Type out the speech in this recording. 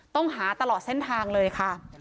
ต้องหาตลอดเส้นทางเลยค่ะ